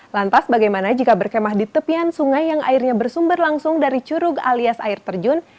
lantas bagaimana jika berkemah di tepian sungai yang airnya bersumber langsung dari curug alias air terjun